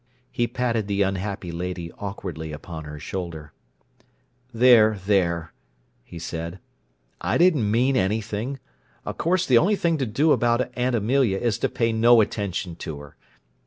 He patted the unhappy lady awkwardly upon her shoulder. "There, there!" he said. "I didn't mean anything. Of course the only thing to do about Aunt Amelia is to pay no attention to her.